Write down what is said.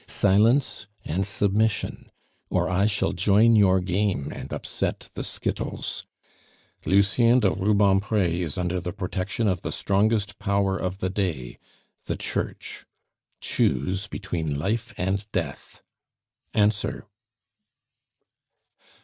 Silence and submission! or I shall join your game and upset the skittles. Lucien de Rubempre is under the protection of the strongest power of the day the Church. Choose between life and death Answer."